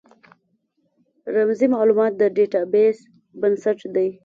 رمزي مالومات د ډیټا بیس بنسټ دی.